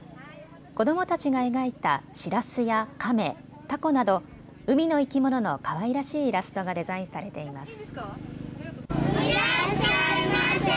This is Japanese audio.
子どもたちが描いたしらすや亀、たこなど海の生き物のかわいらしいイラストがデザインされています。